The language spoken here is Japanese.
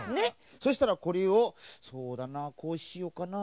そしたらこれをそうだなこうしようかな。